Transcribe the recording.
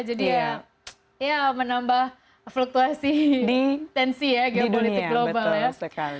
jadi ya menambah fluktuasi tensi geopolitik global ya